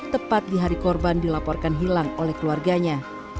tepat di hari korban dilaporkan hilang oleh keluarganya